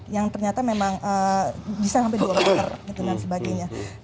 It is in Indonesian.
yang ternyata memang bisa sampai dua meter gitu dan sebagainya